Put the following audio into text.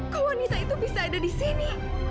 kau wanita itu bisa ada di sini